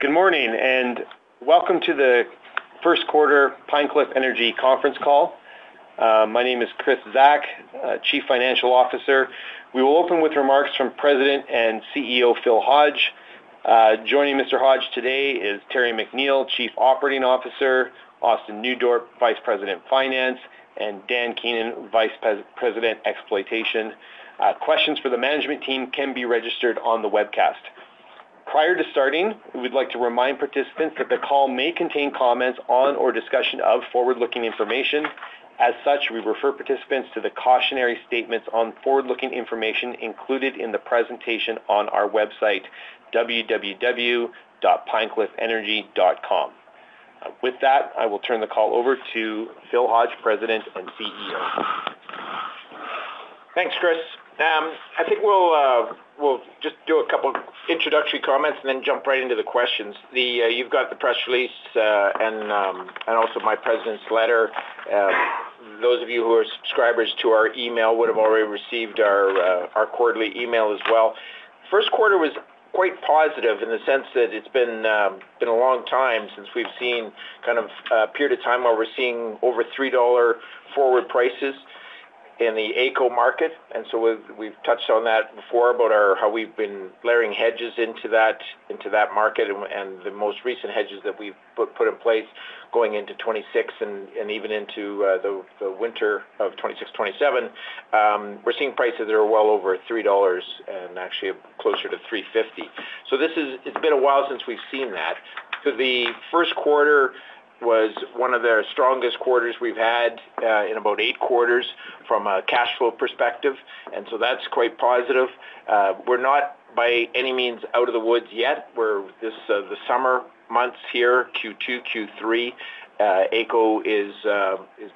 Good morning and welcome to the first quarter Pine Cliff Energy conference call. My name is Kris Zack, Chief Financial Officer. We will open with remarks from President and CEO Phil Hodge. Joining Mr. Hodge today is Terry McNeill, Chief Operating Officer; Austin Nieuwdorp, Vice President Finance; and Dan Keenan, Vice President Exploitation. Questions for the management team can be registered on the webcast. Prior to starting, we would like to remind participants that the call may contain comments on or discussion of forward-looking information. As such, we refer participants to the cautionary statements on forward-looking information included in the presentation on our website, www.pinecliffenergy.com. With that, I will turn the call over to Phil Hodge, President and CEO. Thanks, Kris. I think we'll just do a couple of introductory comments and then jump right into the questions. You've got the press release and also my President's letter. Those of you who are subscribers to our email would have already received our quarterly email as well. First quarter was quite positive in the sense that it's been a long time since we've seen kind of a period of time where we're seeing over $3 forward prices in the AECO market. We have touched on that before about how we've been layering hedges into that market and the most recent hedges that we've put in place going into 2026 and even into the winter of 2026-2027. We're seeing prices that are well over $3 and actually closer to $3.50. It has been a while since we've seen that. The first quarter was one of the strongest quarters we've had in about eight quarters from a cash flow perspective. That is quite positive. We're not by any means out of the woods yet. The summer months here, Q2, Q3, AECO is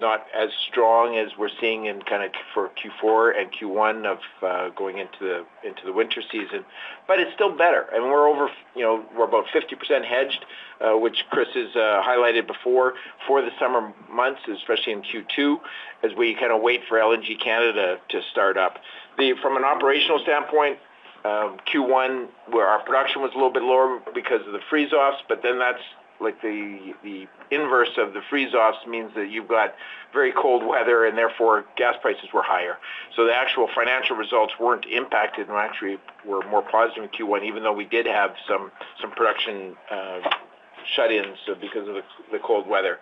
not as strong as we're seeing in kind of for Q4 and Q1 of going into the winter season. It is still better. We're over, we're about 50% hedged, which Kris has highlighted before for the summer months, especially in Q2, as we kind of wait for LNG Canada to start up. From an operational standpoint, Q1, our production was a little bit lower because of the freeze-offs, but then that's like the inverse of the freeze-offs means that you've got very cold weather and therefore gas prices were higher. The actual financial results were not impacted and actually were more positive in Q1, even though we did have some production shut-ins because of the cold weather.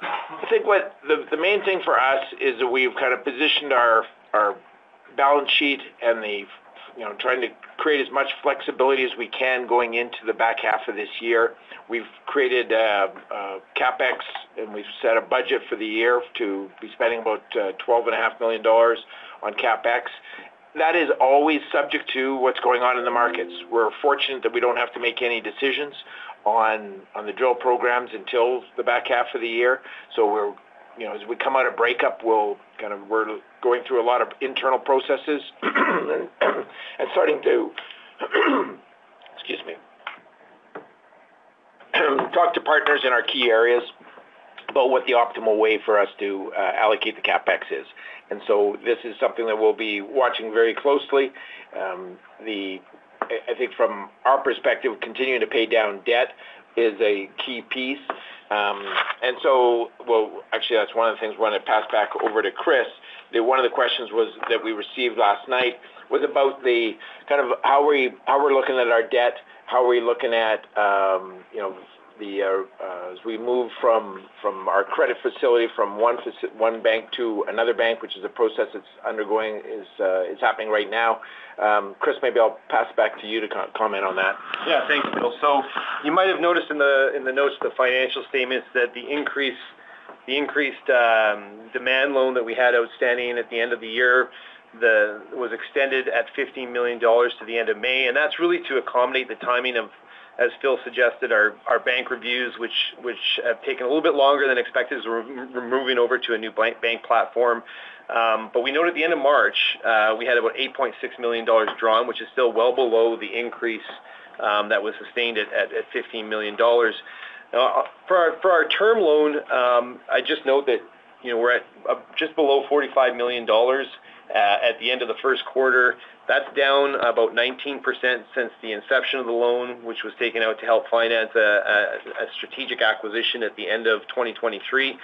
I think the main thing for us is that we have kind of positioned our balance sheet and are trying to create as much flexibility as we can going into the back half of this year. We have created CapEx and we have set a budget for the year to be spending about $12.5 million on CapEx. That is always subject to what is going on in the markets. We are fortunate that we do not have to make any decisions on the drill programs until the back half of the year. As we come out of breakup, we're going through a lot of internal processes and starting to, excuse me, talk to partners in our key areas about what the optimal way for us to allocate the CapEx is. This is something that we'll be watching very closely. I think from our perspective, continuing to pay down debt is a key piece. Actually, that's one of the things we want to pass back over to Kris. One of the questions that we received last night was about kind of how we're looking at our debt, how are we looking at the, as we move from our credit facility from one bank to another bank, which is a process that's undergoing, is happening right now. Kris, maybe I'll pass back to you to comment on that. Yeah, thank you, Bill. You might have noticed in the notes of the financial statements that the increased demand loan that we had outstanding at the end of the year was extended at $15 million to the end of May. That is really to accommodate the timing of, as Phil suggested, our bank reviews, which have taken a little bit longer than expected as we are moving over to a new bank platform. We noted at the end of March, we had about $8.6 million drawn, which is still well below the increase that was sustained at $15 million. For our term loan, I just note that we are at just below $45 million at the end of the first quarter. That is down about 19% since the inception of the loan, which was taken out to help finance a strategic acquisition at the end of 2023.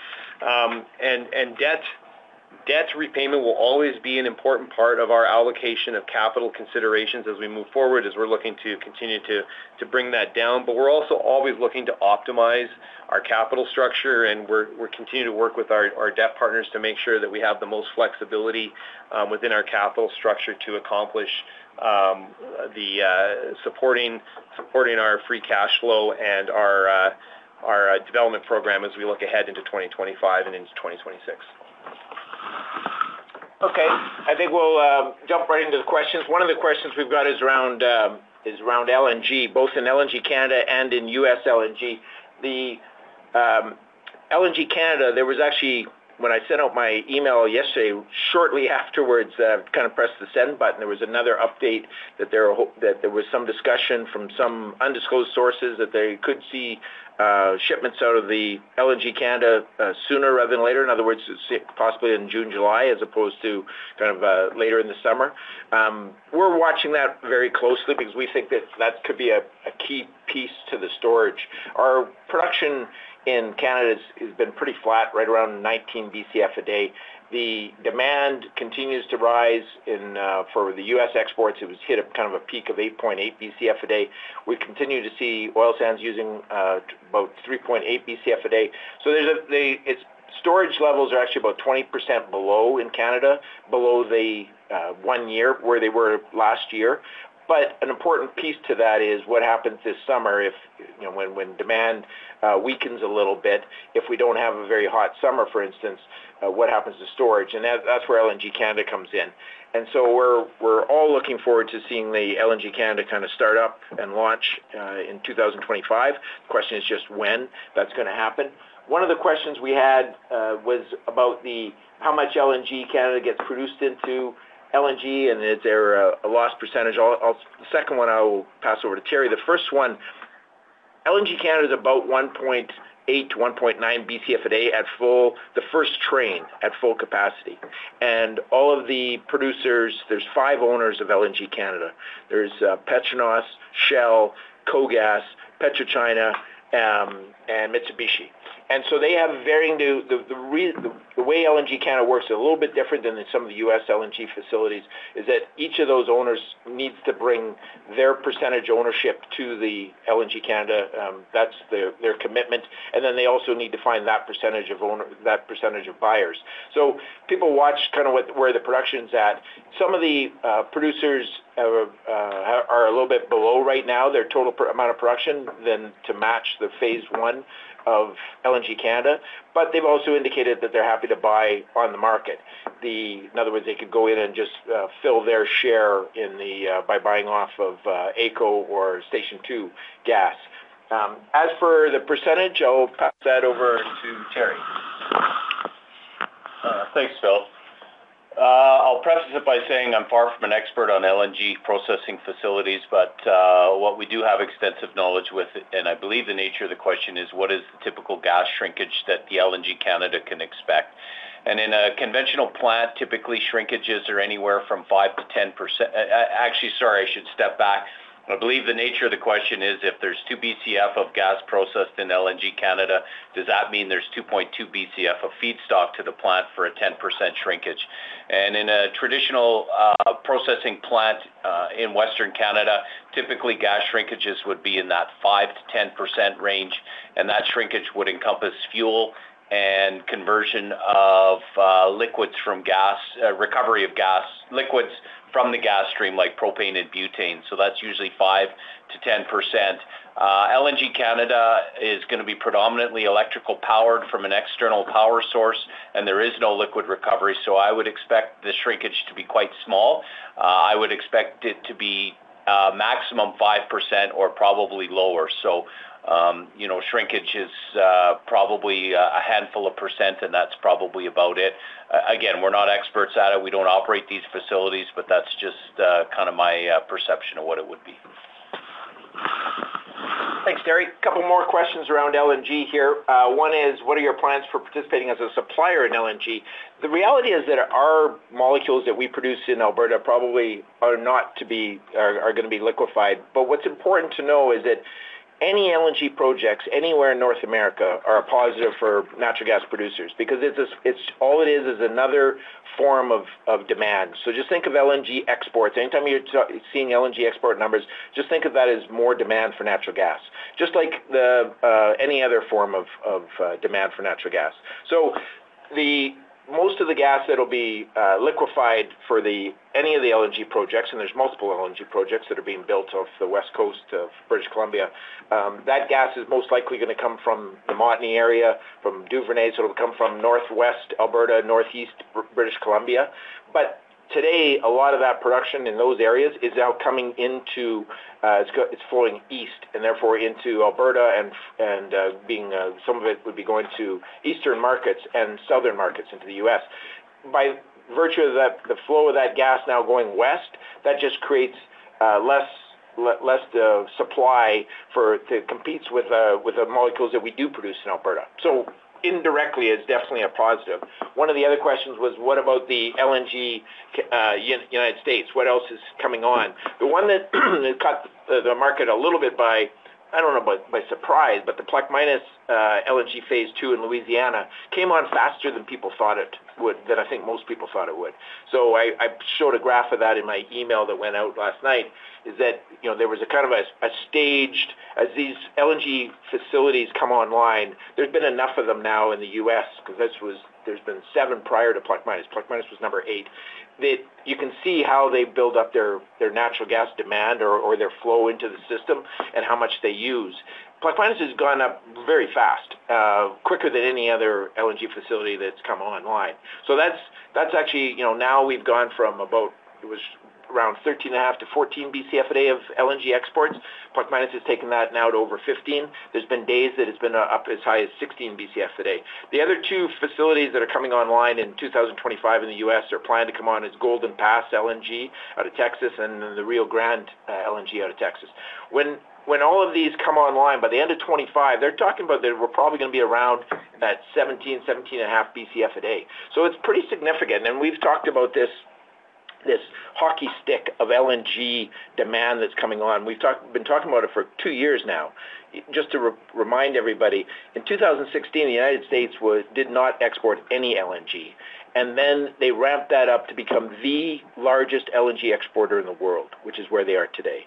Debt repayment will always be an important part of our allocation of capital considerations as we move forward as we're looking to continue to bring that down. We are also always looking to optimize our capital structure and we're continuing to work with our debt partners to make sure that we have the most flexibility within our capital structure to accomplish supporting our free cash flow and our development program as we look ahead into 2025 and into 2026. Okay. I think we'll jump right into the questions. One of the questions we've got is around LNG, both in LNG Canada and in U.S. LNG. The LNG Canada, there was actually, when I sent out my email yesterday, shortly afterwards, I kind of pressed the send button, there was another update that there was some discussion from some undisclosed sources that they could see shipments out of the LNG Canada sooner rather than later. In other words, possibly in June, July, as opposed to kind of later in the summer. We're watching that very closely because we think that that could be a key piece to the storage. Our production in Canada has been pretty flat, right around 19 BCF a day. The demand continues to rise for the U.S. exports. It was hit at kind of a peak of 8.8 BCF a day. We continue to see oil sands using about 3.8 BCF a day. Storage levels are actually about 20% below in Canada, below the one year where they were last year. An important piece to that is what happens this summer when demand weakens a little bit. If we do not have a very hot summer, for instance, what happens to storage? That is where LNG Canada comes in. We are all looking forward to seeing the LNG Canada kind of start up and launch in 2025. The question is just when that is going to happen. One of the questions we had was about how much LNG Canada gets produced into LNG and is there a lost percentage. The second one, I will pass over to Terry. The first one, LNG Canada is about 1.8-1.9 BCF a day at full, the first train at full capacity. All of the producers, there are five owners of LNG Canada. There is Petronas, Shell, KOGAS, PetroChina, and Mitsubishi. They have varying, the way LNG Canada works is a little bit different than some of the U.S. LNG facilities, is that each of those owners needs to bring their percentage ownership to LNG Canada. That's their commitment. They also need to find that percentage of buyers. People watch kind of where the production's at. Some of the producers are a little bit below right now, their total amount of production to match phase I of LNG Canada. They've also indicated that they're happy to buy on the market. In other words, they could go in and just fill their share by buying off of AECO or Station 2 gas. As for the percentage, I'll pass that over to Terry. Thanks, Phil. I'll preface it by saying I'm far from an expert on LNG processing facilities, but what we do have extensive knowledge with, and I believe the nature of the question is what is the typical gas shrinkage that the LNG Canada can expect? In a conventional plant, typically shrinkages are anywhere from 5%-10%. Actually, sorry, I should step back. I believe the nature of the question is if there's 2 BCF of gas processed in LNG Canada, does that mean there's 2.2 BCF of feedstock to the plant for a 10% shrinkage? In a traditional processing plant in Western Canada, typically gas shrinkages would be in that 5%-10% range. That shrinkage would encompass fuel and conversion of liquids from gas, recovery of gas, liquids from the gas stream like propane and butane. That's usually 5%-10%. LNG Canada is going to be predominantly electrical powered from an external power source, and there is no liquid recovery. I would expect the shrinkage to be quite small. I would expect it to be maximum 5% or probably lower. Shrinkage is probably a handful of percent, and that's probably about it. Again, we're not experts at it. We don't operate these facilities, but that's just kind of my perception of what it would be. Thanks, Terry. A couple more questions around LNG here. One is, what are your plans for participating as a supplier in LNG? The reality is that our molecules that we produce in Alberta probably are not to be are going to be liquefied. What's important to know is that any LNG projects anywhere in North America are a positive for natural gas producers because all it is is another form of demand. Just think of LNG exports. Anytime you're seeing LNG export numbers, just think of that as more demand for natural gas, just like any other form of demand for natural gas. Most of the gas that will be liquefied for any of the LNG projects, and there's multiple LNG projects that are being built off the west coast of British Columbia, that gas is most likely going to come from the Montney area, from Duvernay. It'll come from northwest Alberta, northeast British Columbia. Today, a lot of that production in those areas is now coming into, it's flowing east and therefore into Alberta and being, some of it would be going to eastern markets and southern markets into the U.S. By virtue of the flow of that gas now going west, that just creates less supply for, it competes with the molecules that we do produce in Alberta. Indirectly, it's definitely a positive. One of the other questions was, what about the LNG United States? What else is coming on? The one that cut the market a little bit by, I do not know about by surprise, but the Plaquemines LNG phase II in Louisiana came on faster than people thought it would, than I think most people thought it would. I showed a graph of that in my email that went out last night is that there was a kind of a staged as these LNG facilities come online, there's been enough of them now in the U.S. because there's been seven prior to Plaquemines. Plaquemines was number eight. You can see how they build up their natural gas demand or their flow into the system and how much they use. Plaquemines has gone up very fast, quicker than any other LNG facility that's come online. That's actually now we've gone from about it was around 13.5 to 14 BCF a day of LNG exports. Plaquemines has taken that now to over 15. There's been days that it's been up as high as 16 BCF a day. The other two facilities that are coming online in 2025 in the U.S. are planned to come on as Golden Pass LNG out of Texas and then the Rio Grande LNG out of Texas. When all of these come online by the end of 2025, they're talking about they were probably going to be around at 17-17.5 BCF a day. It is pretty significant. We have talked about this hockey stick of LNG demand that is coming on. We have been talking about it for two years now. Just to remind everybody, in 2016, the United States did not export any LNG. They ramped that up to become the largest LNG exporter in the world, which is where they are today.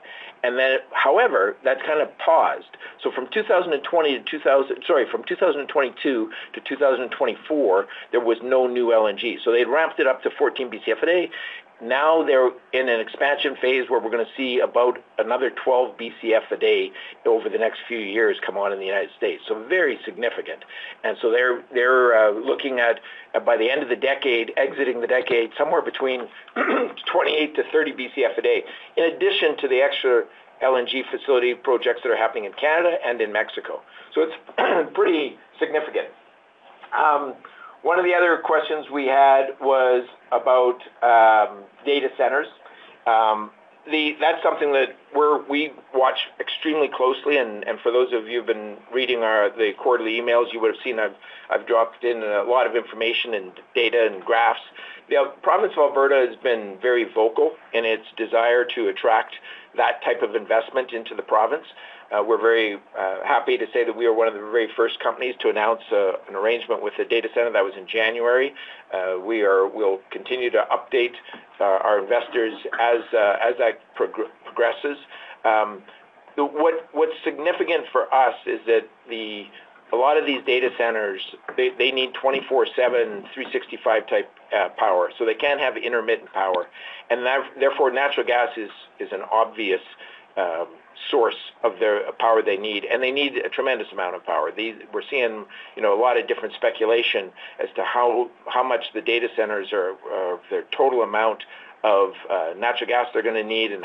However, that has kind of paused. From 2022 to 2024, there was no new LNG. They ramped it up to 14 BCF a day. Now they're in an expansion phase where we're going to see about another 12 BCF a day over the next few years come on in the United States. Very significant. They're looking at by the end of the decade, exiting the decade, somewhere between 28-30 BCF a day, in addition to the extra LNG facility projects that are happening in Canada and in Mexico. Pretty significant. One of the other questions we had was about data centers. That's something that we watch extremely closely. For those of you who've been reading the quarterly emails, you would have seen I've dropped in a lot of information and data and graphs. The province of Alberta has been very vocal in its desire to attract that type of investment into the province. We're very happy to say that we are one of the very first companies to announce an arrangement with a data center. That was in January. We will continue to update our investors as that progresses. What's significant for us is that a lot of these data centers, they need 24/7, 365 type power. They can't have intermittent power. Therefore, natural gas is an obvious source of the power they need. They need a tremendous amount of power. We're seeing a lot of different speculation as to how much the data centers are, their total amount of natural gas they're going to need and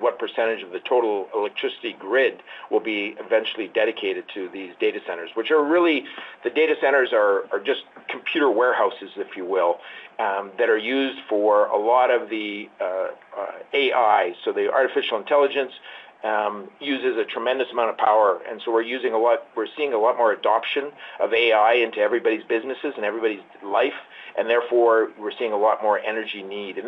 what percentage of the total electricity grid will be eventually dedicated to these data centers, which are really the data centers are just computer warehouses, if you will, that are used for a lot of the AI. Artificial intelligence uses a tremendous amount of power. We're seeing a lot more adoption of AI into everybody's businesses and everybody's life. Therefore, we're seeing a lot more energy need.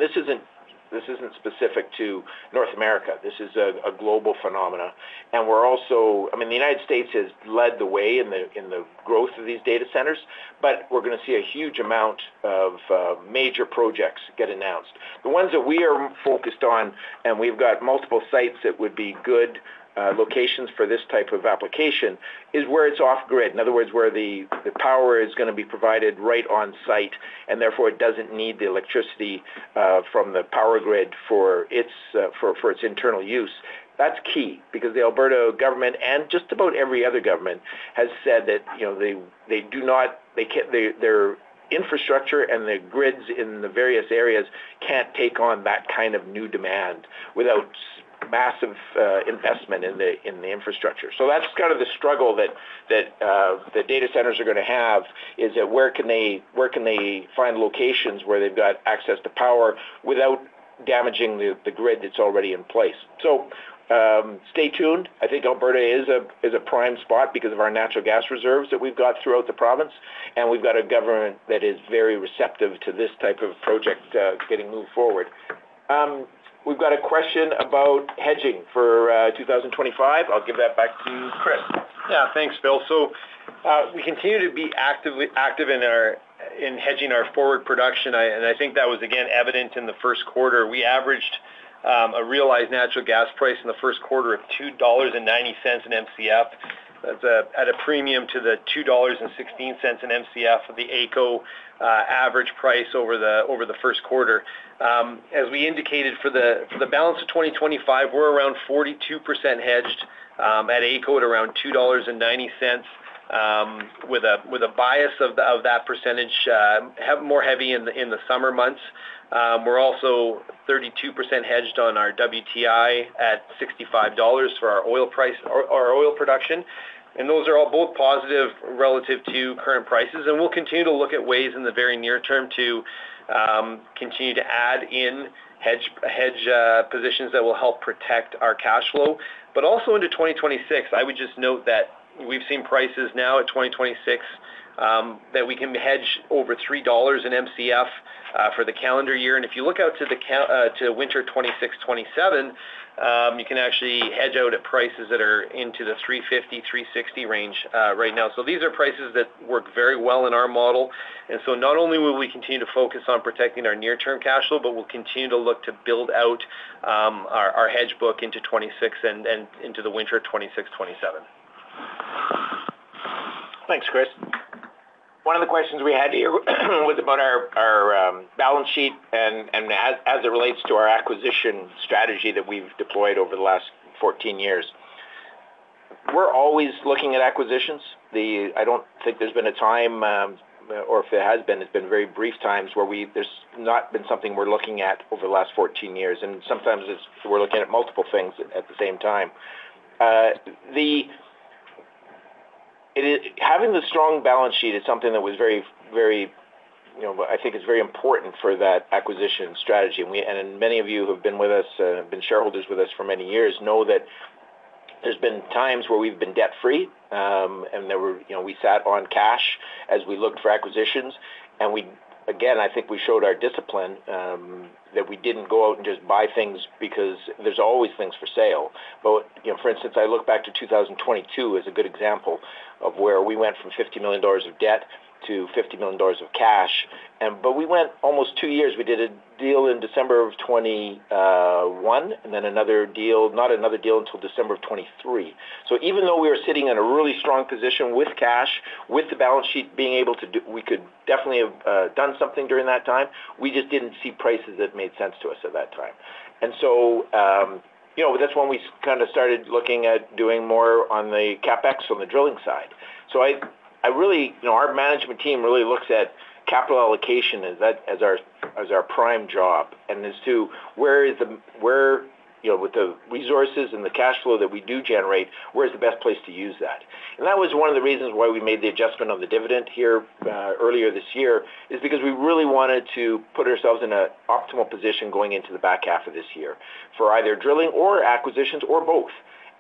This isn't specific to North America. This is a global phenomena. The United States has led the way in the growth of these data centers, but we're going to see a huge amount of major projects get announced. The ones that we are focused on, and we've got multiple sites that would be good locations for this type of application, is where it's off-grid. In other words, where the power is going to be provided right on site and therefore it doesn't need the electricity from the power grid for its internal use. That's key because the Alberta government and just about every other government has said that they do not, their infrastructure and the grids in the various areas can't take on that kind of new demand without massive investment in the infrastructure. That's kind of the struggle that the data centers are going to have, is that where can they find locations where they've got access to power without damaging the grid that's already in place? Stay tuned. I think Alberta is a prime spot because of our natural gas reserves that we've got throughout the province. We've got a government that is very receptive to this type of project getting moved forward. We've got a question about hedging for 2025. I'll give that back to Kris. Yeah. Thanks, Phil. We continue to be active in hedging our forward production. I think that was, again, evident in the first quarter. We averaged a realized natural gas price in the first quarter of 2.90 dollars an MCF. That is at a premium to the 2.16 dollars an MCF of the AECO average price over the first quarter. As we indicated, for the balance of 2025, we are around 42% hedged at AECO at around CAD 2.90 with a bias of that percentage more heavy in the summer months. We are also 32% hedged on our WTI at $65 for our oil production. Those are all both positive relative to current prices. We will continue to look at ways in the very near term to continue to add in hedge positions that will help protect our cash flow. Also into 2026, I would just note that we've seen prices now at 2026 that we can hedge over 3 dollars an MCF for the calendar year. If you look out to winter 2026-2027, you can actually hedge out at prices that are into the 3.50-3.60 range right now. These are prices that work very well in our model. Not only will we continue to focus on protecting our near-term cash flow, but we'll continue to look to build out our hedge book into 2026 and into the winter 2026-2027. Thanks, Kris. One of the questions we had here was about our balance sheet and as it relates to our acquisition strategy that we've deployed over the last 14 years. We're always looking at acquisitions. I don't think there's been a time or if there has been, it's been very brief times where there's not been something we're looking at over the last 14 years. Sometimes we're looking at multiple things at the same time. Having the strong balance sheet is something that was very, very, I think it's very important for that acquisition strategy. Many of you who have been with us and have been shareholders with us for many years know that there's been times where we've been debt-free and we sat on cash as we looked for acquisitions. I think we showed our discipline that we did not go out and just buy things because there is always things for sale. For instance, I look back to 2022 as a good example of where we went from $50 million of debt to $50 million of cash. We went almost two years. We did a deal in December of 2021 and then not another deal until December of 2023. Even though we were sitting in a really strong position with cash, with the balance sheet being able to, we could definitely have done something during that time, we just did not see prices that made sense to us at that time. That is when we kind of started looking at doing more on the CapEx on the drilling side. Our management team really looks at capital allocation as our prime job. As to where with the resources and the cash flow that we do generate, where's the best place to use that? That was one of the reasons why we made the adjustment on the dividend here earlier this year, because we really wanted to put ourselves in an optimal position going into the back half of this year for either drilling or acquisitions or both.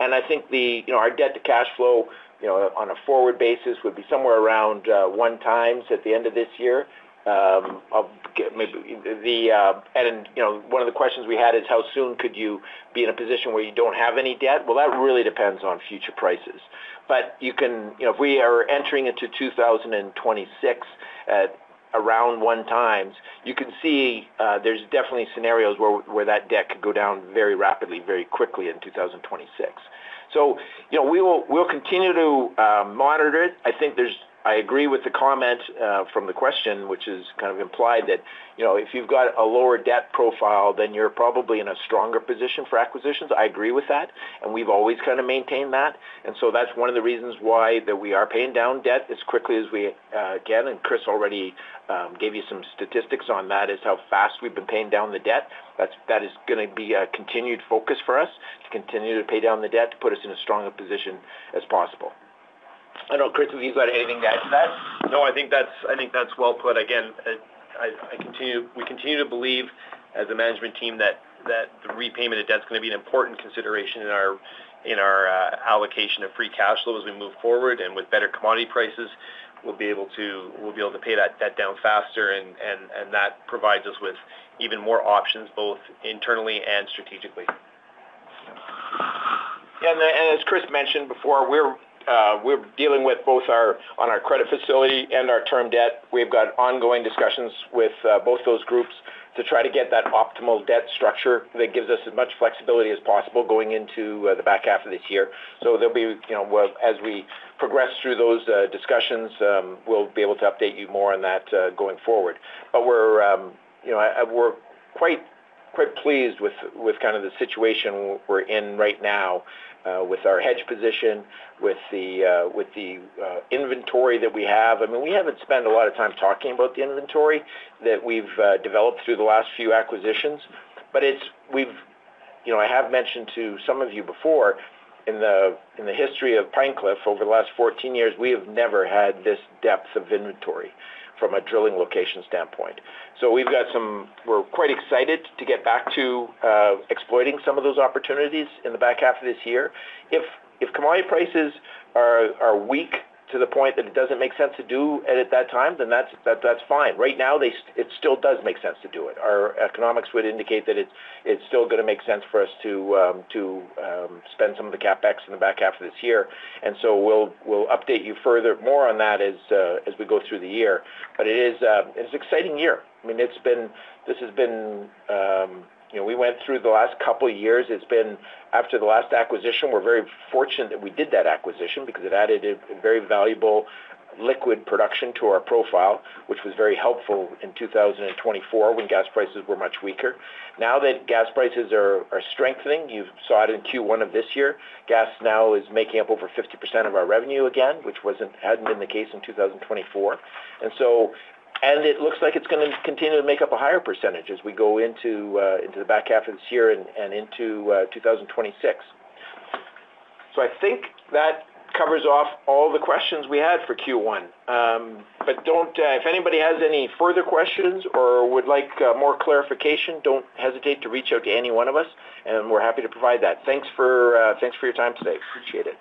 I think our debt to cash flow on a forward basis would be somewhere around one times at the end of this year. One of the questions we had is how soon could you be in a position where you do not have any debt? That really depends on future prices. If we are entering into 2026 at around one times, you can see there are definitely scenarios where that debt could go down very rapidly, very quickly in 2026. We will continue to monitor it. I think I agree with the comment from the question, which is kind of implied that if you have a lower debt profile, then you are probably in a stronger position for acquisitions. I agree with that. We have always kind of maintained that. That is one of the reasons why we are paying down debt as quickly as we can. Kris already gave you some statistics on that, how fast we have been paying down the debt. That is going to be a continued focus for us to continue to pay down the debt to put us in as strong a position as possible. I do not know, Kris, if you have anything to add to that. No, I think that's well put. Again, we continue to believe as a management team that the repayment of debt is going to be an important consideration in our allocation of free cash flow as we move forward. With better commodity prices, we'll be able to pay that debt down faster. That provides us with even more options both internally and strategically. Yeah. As Kris mentioned before, we're dealing with both on our credit facility and our term debt. We've got ongoing discussions with both those groups to try to get that optimal debt structure that gives us as much flexibility as possible going into the back half of this year. As we progress through those discussions, we'll be able to update you more on that going forward. We're quite pleased with kind of the situation we're in right now with our hedge position, with the inventory that we have. I mean, we haven't spent a lot of time talking about the inventory that we've developed through the last few acquisitions. I have mentioned to some of you before in the history of Pine Cliff, over the last 14 years, we have never had this depth of inventory from a drilling location standpoint. We are quite excited to get back to exploiting some of those opportunities in the back half of this year. If commodity prices are weak to the point that it does not make sense to do it at that time, then that is fine. Right now, it still does make sense to do it. Our economics would indicate that it is still going to make sense for us to spend some of the CapEx in the back half of this year. We will update you further on that as we go through the year. It is an exciting year. I mean, we went through the last couple of years. It has been after the last acquisition. We're very fortunate that we did that acquisition because it added a very valuable liquid production to our profile, which was very helpful in 2024 when gas prices were much weaker. Now that gas prices are strengthening, you saw it in Q1 of this year. Gas now is making up over 50% of our revenue again, which had not been the case in 2024. It looks like it is going to continue to make up a higher percentage as we go into the back half of this year and into 2026. I think that covers off all the questions we had for Q1. If anybody has any further questions or would like more clarification, do not hesitate to reach out to any one of us. We are happy to provide that. Thanks for your time today. Appreciate it.